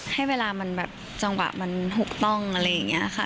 ให้เวลามันแบบจังหวะมันถูกต้องอะไรอย่างนี้ค่ะ